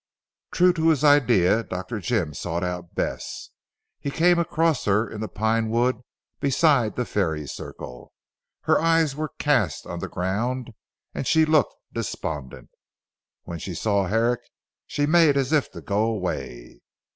True to his idea, Dr. Jim sought out Bess. He came across her in the Pine wood beside the fairy circle. Her eyes were cast on the ground and she looked despondent. When she saw Herrick she made as if to go away.